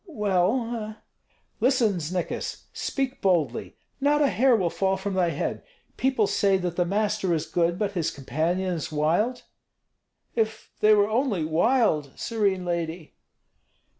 "Well! " "Listen, Znikis, speak boldly; not a hair will fall from thy head. People say that the master is good, but his companions wild?" "If they were only wild, serene lady!